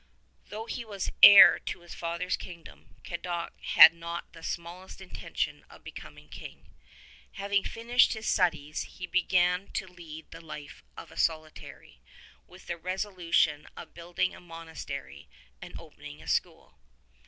Though he was heir to his father's kingdom, Cadoc had not the smallest intention of becoming King. Having fin ished his studies he began to lead the life of a solitary, with the resolution of building a monastery and opening a school.